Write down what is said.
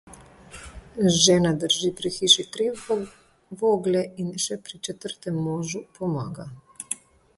Žena drži pri hiši tri vogle in še pri četrtem možu pomaga.